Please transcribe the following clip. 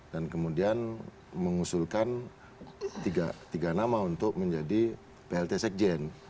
dan kemudian mengusulkan tiga nama untuk menjadi plt sekjen